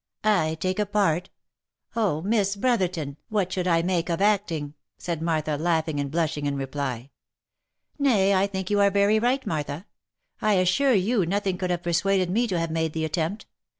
"I take a part! Oh! Miss Brotherton what should I make of acting?" said Martha, laughing and blushing, in reply. " Nay I think you are very right, Martha. I assure you nothing could have persuaded me to have made the attempt.